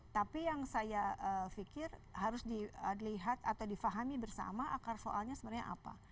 tapi yang saya pikir harus dilihat atau difahami bersama akar soalnya sebenarnya apa